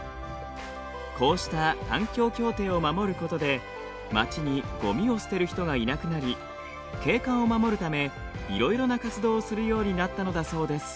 こうした環境協定を守ることで町にゴミを捨てる人がいなくなり景観を守るためいろいろな活動をするようになったのだそうです。